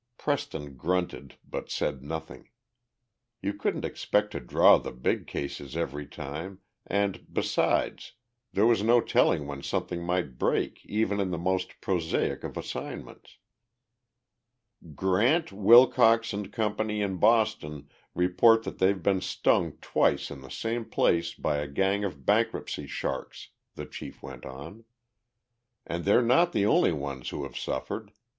Preston grunted, but said nothing. You couldn't expect to draw the big cases every time, and, besides, there was no telling when something might break even in the most prosaic of assignments. "Grant, Wilcox & Company, in Boston, report that they've been stung twice in the same place by a gang of bankruptcy sharks," the chief went on. "And they're not the only ones who have suffered.